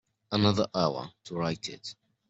Another hour to write it.